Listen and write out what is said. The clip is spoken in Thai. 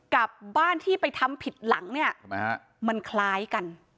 กับบ้านที่ไปทำผิดหลังเนี่ยมันคล้ายกัน